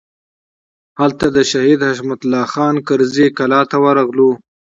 هلته د شهید حشمت الله خان کرزي کلا ته ورغلو.